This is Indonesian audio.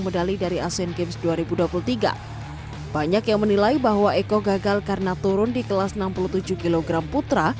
medali dari asean games dua ribu dua puluh tiga banyak yang menilai bahwa eko gagal karena turun di kelas enam puluh tujuh kg putra